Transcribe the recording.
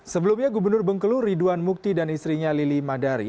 sebelumnya gubernur bengkulu ridwan mukti dan istrinya lili madari